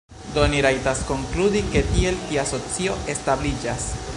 Do ni rajtas konkludi ke tiel tia socio establiĝas.